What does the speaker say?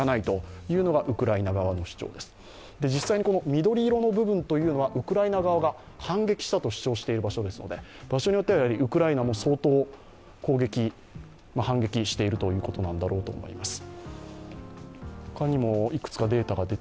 緑色の部分はウクライナ側が反撃したと主張している場所ですので、場所によってはウクライナも相当攻撃、反撃しているということなんだろうと思います。